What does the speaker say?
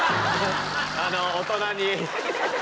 あの大人に。